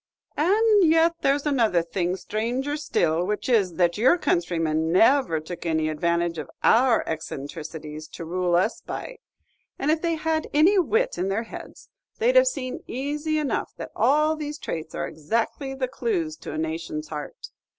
"And yet there's another thing stranger still, which is, that your countrymen never took any advantage of our eccentricities, to rule us by; and if they had any wit in their heads, they 'd have seen, easy enough, that all these traits are exactly the clews to a nation's heart.